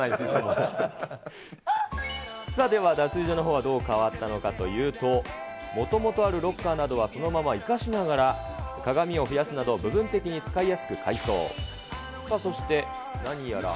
では脱衣所のほうはどう変わったのかというと、もともとあるロッカーなどはそのまま生かしながら、鏡を増やすなど部分的に使いやすく改装。